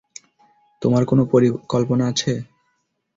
তোমার কোনো পরিকল্পনা আছে?